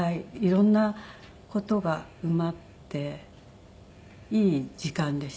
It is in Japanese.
色んな事が埋まっていい時間でしたね。